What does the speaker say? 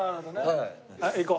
はい行こう。